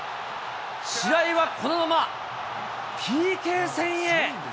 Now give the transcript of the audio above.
試合はこのままＰＫ戦へ。